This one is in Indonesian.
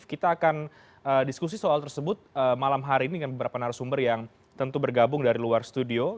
kita akan diskusi soal tersebut malam hari ini dengan beberapa narasumber yang tentu bergabung dari luar studio